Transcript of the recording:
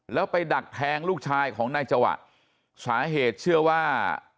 แล้วไปดักแทงลูกชายของนายจวะสาเหตุเชื่อว่า